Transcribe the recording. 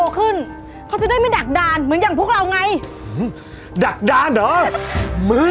หื้มดักดานเหรอมึงโอ้ยอย่าทำแม่